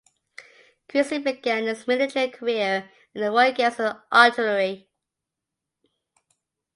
Creasy began his military career in the Royal Garrison Artillery.